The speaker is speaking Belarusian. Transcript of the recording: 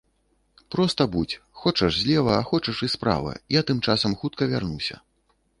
Проста будзь, хочаш злева, а хочаш і справа, я тым часам хутка вярнуся.